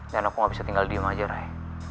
dan aku gak bisa tinggal diem aja ray